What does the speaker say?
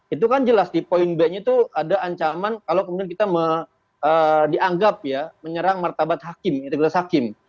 itu kan jelas di point b nya itu ada ancaman kalau kemudian kita dianggap menyerang martabat hakim